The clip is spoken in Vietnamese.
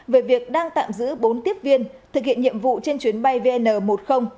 về việc đang tạm giữ bốn tiếp viên thực hiện nhiệm vụ trên chuyến bay vn một mươi